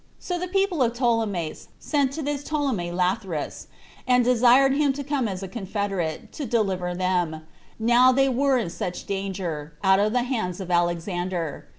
So the people of Ptolemais sent to this Ptolemy Lathyrus, and desired him to come as a confederate, to deliver them, now they were in such danger, out of the hands of Alexander.